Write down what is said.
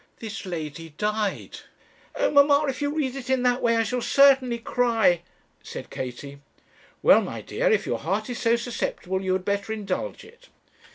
This lady died " 'Oh, mamma, if you read it in that way I shall certainly cry,' said Katie. 'Well, my dear, if your heart is so susceptible you had better indulge it.'